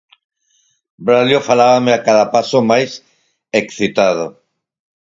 Braulio falábame a cada paso máis excitado.